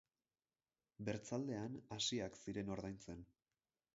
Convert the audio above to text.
Bertzaldean hasiak ziren ordaintzen.